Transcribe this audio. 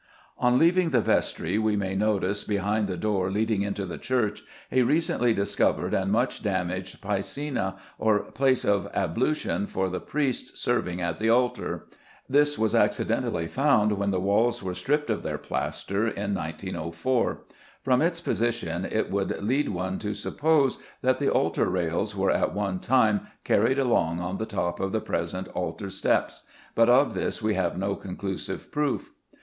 On leaving the vestry we may notice, behind the door leading into the church, a recently discovered and much damaged piscina, or place of ablution for the priests serving at the altar. This was accidentally found when the walls were stripped of their plaster, in 1904. From its position it would lead one to suppose that the altar rails were at one time carried along on the top of the present altar steps. But of this we have no conclusive proof.